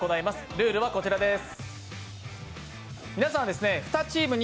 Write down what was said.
ルールはこちらです。